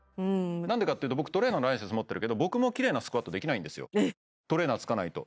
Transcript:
なんでかっていうと僕トレーナーのライセンス持ってるけど僕もきれいなスクワットできないんですよ